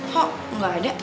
kok gak ada